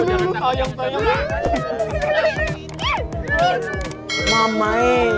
apaan sih sih kok tasha've